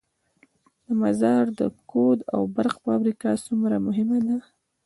د مزار د کود او برق فابریکه څومره مهمه ده؟